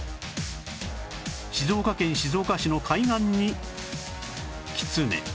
静岡県静岡市の海岸にキツネ